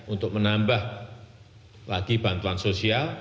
untuk menambah lagi bantuan sosial